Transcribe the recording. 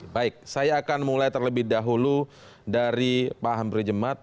baik saya akan mulai terlebih dahulu dari pak amri jemat